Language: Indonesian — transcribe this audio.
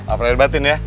apa kabar batin ya